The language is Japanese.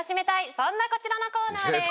そんなこちらのコーナーです。